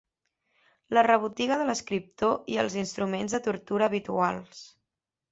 La rebotiga de l'escriptor i els instruments de tortura habituals.